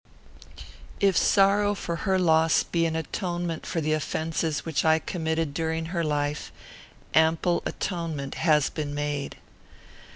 If sorrow for her loss be an atonement for the offences which I committed during her life, ample atonement has been made.